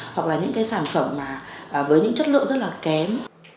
hoặc là những cái sản phẩm mà với những chất lượng rất là kém